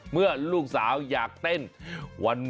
เมื่อลูกสาวอยากเต้น